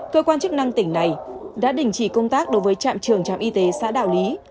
cơ quan chức năng tỉnh này đã đình chỉ công tác đối với trạm trường trạm y tế xã đảo lý